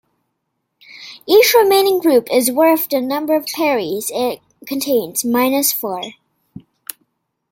Each remaining group is worth the number of peries it contains minus four.